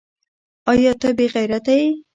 ایا ته بې غیرته یې ؟